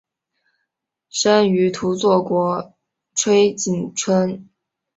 生于土佐国吹井村。